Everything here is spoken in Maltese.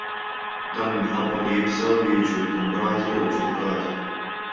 Dan minħabba li jibżgħu li jiġu ttimbrati jew iġġudikati.